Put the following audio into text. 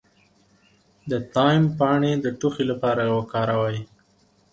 د تایم پاڼې د ټوخي لپاره وکاروئ